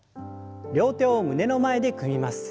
両手を胸の前で組みます。